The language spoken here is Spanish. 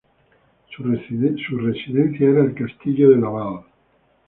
Su residencia era el castillo de Laval.